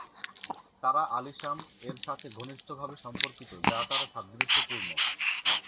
তারা "আলীসাম" এর সাথে ঘনিষ্ঠভাবে সম্পর্কিত, যা তারা সাদৃশ্যপূর্ণ।